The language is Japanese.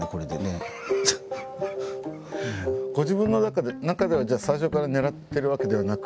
ご自分の中ではじゃあ最初から狙ってるわけではなく。